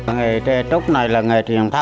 nghề tre trúc này là nghề truyền tháp